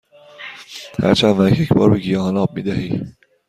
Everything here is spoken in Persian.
هر چند وقت یک بار به گیاهان آب می دهی؟